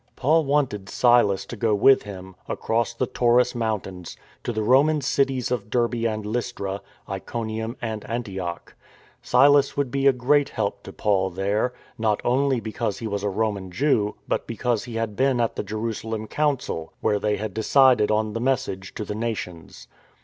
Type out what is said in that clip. Paul wanted Silas to go with him, across the Taurus mountains, to the Roman cities of Derbe and Lystra, Iconium and Antioch. Silas would be a great help to Paul there — not only because he was a Roman Jew, but because he had been at the Jerusalem Council where they had decided on the message to the Nations.